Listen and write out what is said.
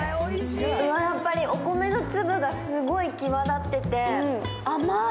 やっぱりお米の粒がすごい際立ってて、甘い！